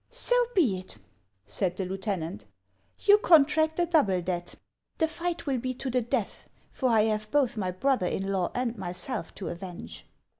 " So be it," said the lieutenant ;" you contract a double debt. The fight will be to the death, for I have both, my brother in law and myself to avenge.